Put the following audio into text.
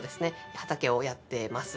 畑をやってます。